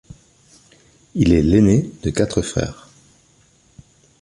Il est l'aîné de quatre frères.